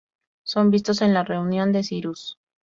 Son vistos en la reunión de Cyrus.